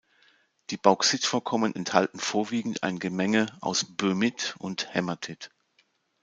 Die Bauxitvorkommen enthalten vorwiegend ein Gemenge aus Böhmit und Hämatit.